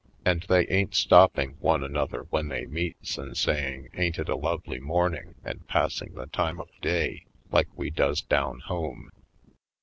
And they ain't stopping one another when they meets and saying ain't it a lovely morning and passing the time of day, like we does down home.